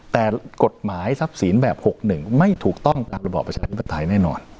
แต่กฎหมายทรัพย์สินแบบ๖๑ไม่ถูกต้องตามระบอบประชาธิปไตยแน่นอน